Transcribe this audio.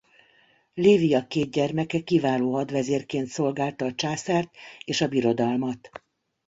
Livia két gyermeke kiváló hadvezérként szolgálta a császárt és a birodalmat.